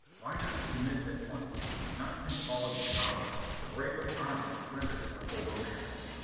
Why not submit at once? None can call you cowards ; the bravest army surrenders when over matched.